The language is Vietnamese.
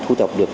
thu thập được